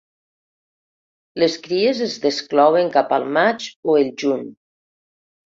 Les cries es desclouen cap al maig o el juny.